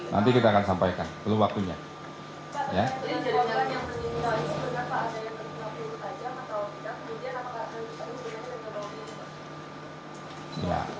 nanti kita akan sampaikan perlu waktunya ya